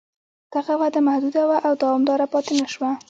دغه وده محدوده وه او دوامداره پاتې نه شوه.